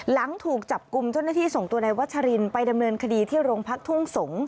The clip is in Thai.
หลังถูกจับกลุ่มเจ้าหน้าที่ส่งตัวนายวัชรินไปดำเนินคดีที่โรงพักทุ่งสงศ์